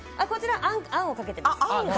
あんをかけてます。